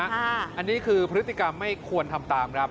อันนี้คือพฤติกรรมไม่ควรทำตามครับ